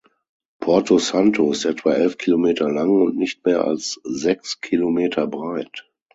Porto Santo ist etwa elf Kilometer lang und nicht mehr als sechs Kilometer breit.